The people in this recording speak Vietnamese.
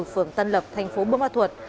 phường tân lập thành phố bơ ma thuột